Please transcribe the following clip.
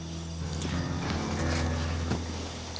terima kasih pak mat